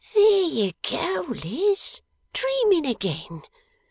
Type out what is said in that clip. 'There you go, Liz! Dreaming again!